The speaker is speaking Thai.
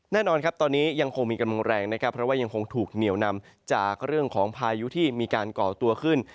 แน่นอนครับตอนนี้ยังคงมีกำลังแรงนะครับเพราะว่ายังคงถูกเหนียวนำจากเรื่องของพายุที่มีการก่อตัวขึ้น